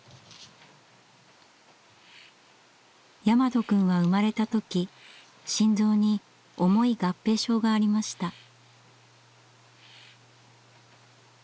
大和くんは生まれた時心臓に重い合併症がありました。